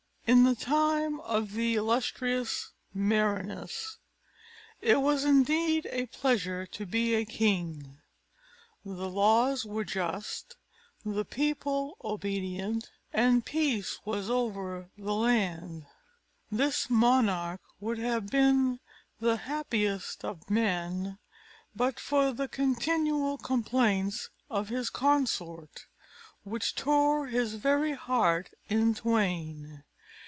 In the time of the illustrious Merinous, it was indeed a pleasure to be a king; the laws were just, the people obedient, and peace was over the land. This monarch would have been the happiest of men, but for the continual complaints of his consort, which tore his very heart in twain.